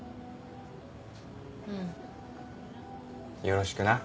よろしくな。